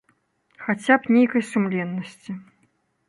Хаця б нейкай сумленнасці.